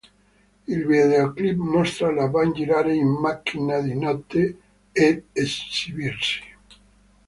Il videoclip mostra la band girare in macchina di notte ed esibirsi.